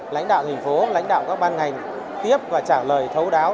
lãnh đạo thành phố lãnh đạo các ban ngành tiếp và trả lời thấu đáo